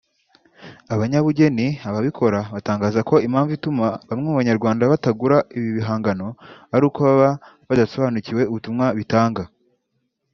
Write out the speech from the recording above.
Abanyabugeni (ababikora) batangaza ko impamvu ituma bamwe mu Banyarwanda batagura ibi bihangano ari uko baba badasobanukiwe ubutumwa bitanga